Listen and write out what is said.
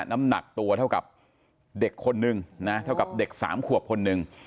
น้ำหนักตัวเท่ากับเด็กคนนึงนะเท่ากับเด็กสามขวบคนหนึ่ง